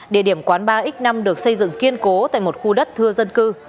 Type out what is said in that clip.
địa điểm quán ba x năm được xây dựng kiên cố tại một khu đất thưa dân cư